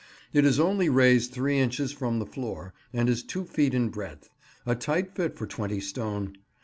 It is only raised three inches from the floor, and is two feet in breadth—a tight fit for twenty stone.